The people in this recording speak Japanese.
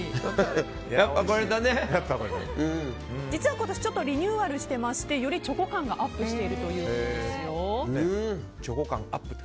実はリニューアルしていましてよりチョコ感がアップしてるということですよ。